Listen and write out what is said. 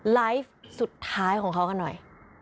ไลฟ์สุดท้ายของเขากันหน่อย